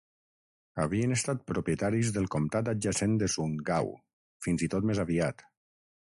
Havien estat propietaris del comtat adjacent de Sundgau, fins i tot més aviat.